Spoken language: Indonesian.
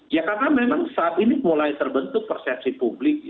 ya karena memang saat ini mulai terbentuk persepsi publik